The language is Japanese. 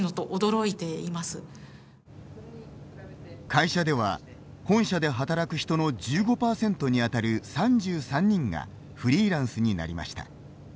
会社では本社で働く人の１５％にあたる３３人がフリーランスになりました。